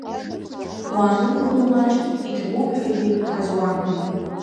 Уаанымгыло маҷк, иҭабуп ҳәагьы ҳазуамҳәеит!